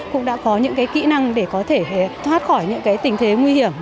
cũng đã có những kỹ năng để có thể thoát khỏi những tình thế nguy hiểm